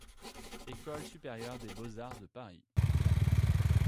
École Supérieure des Beaux-Arts de Paris.